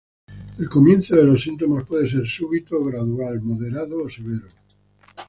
El comienzo de los síntomas puede ser súbito o gradual; moderado o severo.